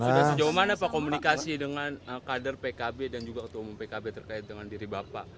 sudah sejauh mana pak komunikasi dengan kader pkb dan juga ketua umum pkb terkait dengan diri bapak